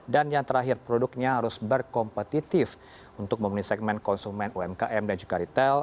dan yang terakhir produknya harus berkompetitif untuk memenuhi segmen konsumen umkm dan juga retail